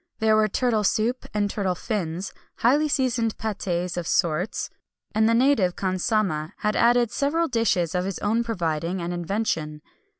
There were turtle soup, and turtle fins; highly seasoned pâtés of sorts; and the native khansamah had added several dishes of his own providing and invention.